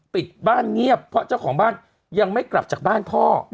ปิดบ้านเงียบเพราะเจ้าของบ้านยังไม่กลับจากบ้านพ่อ